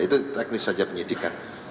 itu teknis saja penyidikan